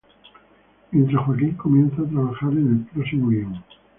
Mientras, Joaquín comienza a trabajar en el próximo guion.